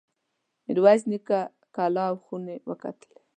میرویس نیکه کلا او خونې وکتلې.